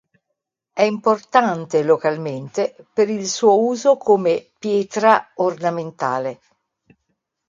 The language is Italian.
È importante localmente per il suo uso come pietra ornamentale.